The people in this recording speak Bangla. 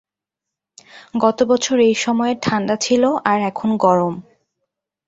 গত বছর এই সময়ে ঠান্ডা ছিলো আর এখন গরম।